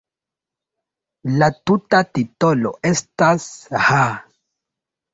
La tuta titolo estas "Ha!